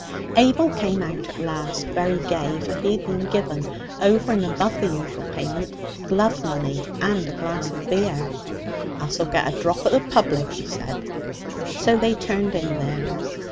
Abel came out at last, very gay, for he had been given, over and above the usual payment, glove money and a glass of beer. 'Us'll get a drop at the public,' he said. So they turned in there.